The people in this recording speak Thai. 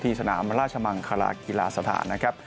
สนามราชมังคลากีฬาสถานนะครับ